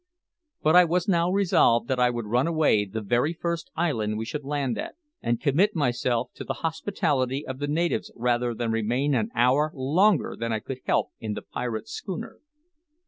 But I was now resolved that I would run away the very first island we should land at, and commit myself to the hospitality of the natives rather than remain an hour longer than I could help in the pirate schooner.